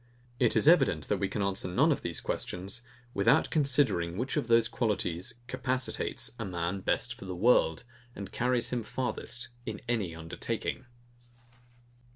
It is evident, that we can answer none of these questions, without considering which of those qualities capacitates a man best for the world, and carries him farthest in any undertaking.